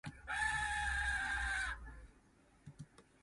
北港媽祖上蓋興